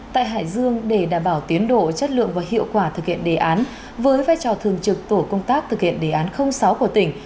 tại hải dương để đảm bảo tiến độ chất lượng và hiệu quả thực hiện đề án với vai trò thường trực tổ công tác thực hiện đề án sáu của tỉnh